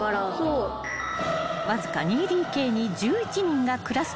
［わずか２ＤＫに１１人が暮らすとあって激狭］